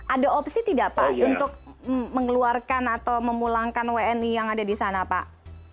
ada opsi tidak pak untuk mengeluarkan atau memulangkan wni yang ada di sana pak